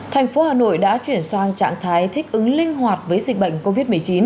thành phố hà nội đã chuyển sang trạng thái thích ứng linh hoạt với dịch bệnh covid một mươi chín